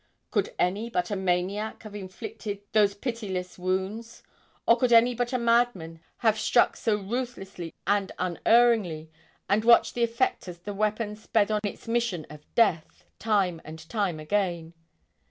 Could any but a maniac have inflicted those pitiless wounds; or could any but a madman have struck so ruthlessly and unerringly and watched the effect as the weapon sped on its mission of death, time and time again?